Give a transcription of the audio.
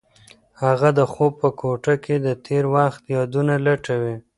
هغه د خوب په کوټه کې د تېر وخت یادونه لټوي.